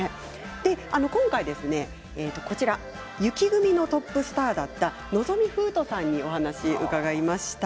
今回、雪組のトップスターだった望海風斗さんに伺いました。